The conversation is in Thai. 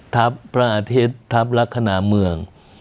ท้าบพระอาทิตย์ท้าบลัคหนามือง